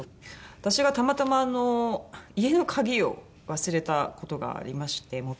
私がたまたま家の鍵を忘れた事がありまして持っていくのを。